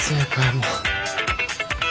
もう。